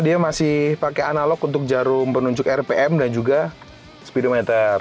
ini juga ada jarum penunjuk rpm dan juga speedometer